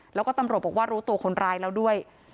แล้วก็ตำรวจบอกว่ารู้ตัวคนร้ายแล้วด้วย